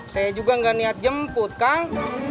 saya juga gak niat jemput kang